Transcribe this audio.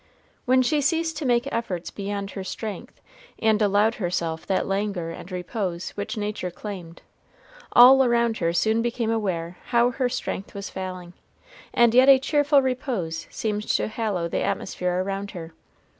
When she ceased to make efforts beyond her strength, and allowed herself that languor and repose which nature claimed, all around her soon became aware how her strength was failing; and yet a cheerful repose seemed to hallow the atmosphere around her.